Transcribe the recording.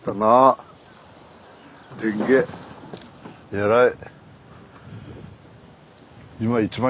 えらい。